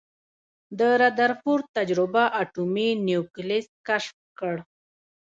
د ردرفورډ تجربه اټومي نیوکلیس کشف کړ.